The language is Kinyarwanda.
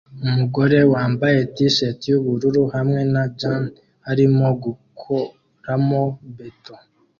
Umugore wambaye t-shati yubururu hamwe na jans arimo gukuramo beto